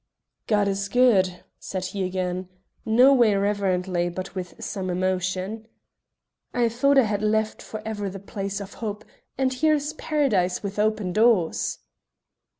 "God is good!" said he again, no way reverently, but with some emotion. "I thought I had left for ever the place of hope, and here's Paradise with open doors."